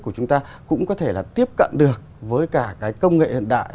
của chúng ta cũng có thể là tiếp cận được với cả cái công nghệ hiện đại